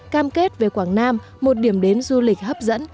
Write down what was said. cam kết về quảng nam một điểm đến du lịch hấp dẫn